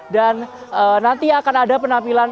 dan nanti akan ada penampilan